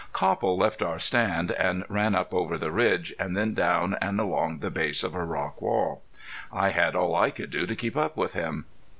Copple left our stand and ran up over the ridge, and then down under and along the base of a rock wall. I had all I could do to keep up with him.